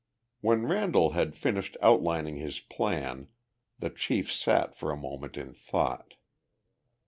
When Randall had finished outlining his plan the chief sat for a moment in thought.